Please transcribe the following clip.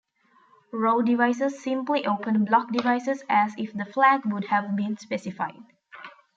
Raw devices simply open block devices as if the flag would have been specified.